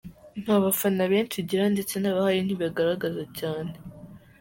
Nta bafana benshi igira ndetse n’abahari ntibigaragaza cyane.